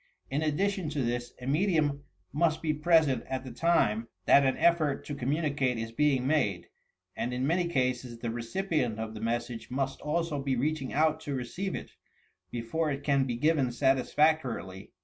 In addition to this a medium must be present at the time that an effort to communicate is being made, and in many cases the recipient of the message must also be reaching out to receive it, before it can be given satisfactorily.